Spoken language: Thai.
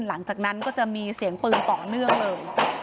หลังจากนั้นก็จะมีเสียงปืนต่อเนื่องเลย